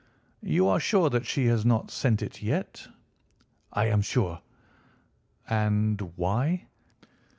"You are sure that she has not sent it yet?" "I am sure." "And why?"